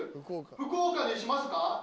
福岡にしますか？